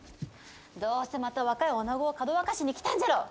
どうせ、また若いおなごをかどわかしに来たんじゃろ！